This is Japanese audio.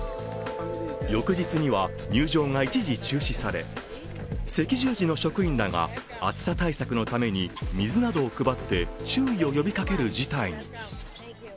翌日には入場が一時中止され、赤十字の職員らが暑さ対策のために水などを配って注意を呼びかける事態に。